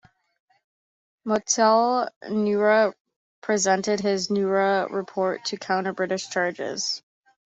Motilal Nehru presented his Nehru Report to counter British charges.